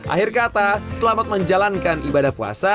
akhir kata selamat menjalankan ibadah puasa